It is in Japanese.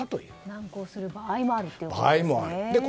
難航する場合もあるってことですね。